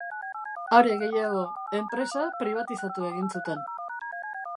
Are gehiago, enpresa pribatizatu egin zuten.